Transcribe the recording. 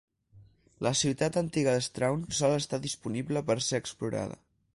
La ciutat antiga d'Strawn sol estar disponible per ser explorada.